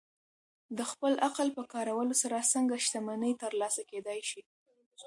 د خپل عقل په کارولو سره څنګه شتمني ترلاسه کېدای شي؟